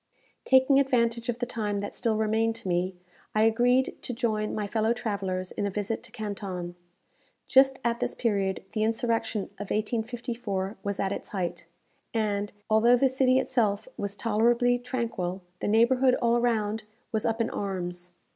Taking advantage of the time that still remained to me, I agreed to join my fellow travellers in a visit to Canton. Just at this period the insurrection of 1854 was at its height, and, although the city itself was tolerably tranquil, the neighbourhood all around was up in arms.